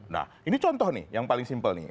nah ini contoh nih yang paling simpel nih